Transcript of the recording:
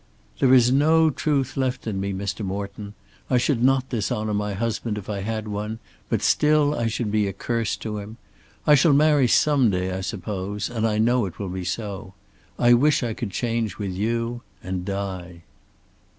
"There is no truth left in me, Mr. Morton. I should not dishonour my husband if I had one, but still I should be a curse to him. I shall marry some day I suppose, and I know it will be so. I wish I could change with you, and die."